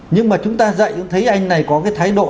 nhưng mà chúng ta dạy thấy anh này có cái thái độ